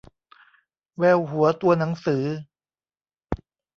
แววหัวตัวหนังสือ